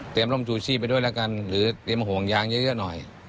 เตรียมร่มจูชี้ไปด้วยละกันหรือเตรียมห่วงยางเยอะหน่อย